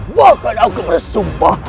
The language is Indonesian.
bahkan aku bersumpah